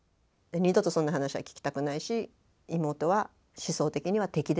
二度とそんな話は聞きたくないし妹は思想的には敵です。